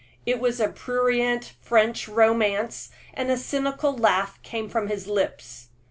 It was a prurient French romance, and a cynical laugh came from his lips.